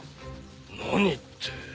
何って。